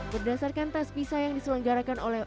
berdasarkan tes pisa yang diselenggarakan oleh